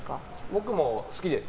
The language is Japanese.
僕も結構好きです。